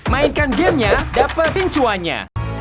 mainkan gamenya dapat pincuannya